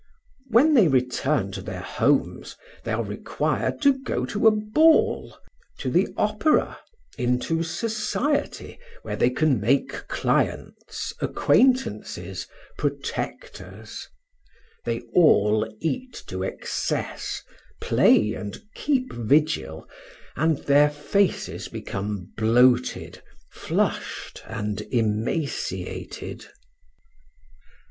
When they return to their homes they are required to go to a ball, to the opera, into society, where they can make clients, acquaintances, protectors. They all eat to excess, play and keep vigil, and their faces become bloated, flushed, and emaciated.